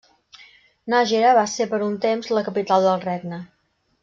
Nájera, va ser, per un temps, la capital del regne.